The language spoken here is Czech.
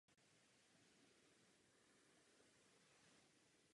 Z obou projektů však sešlo.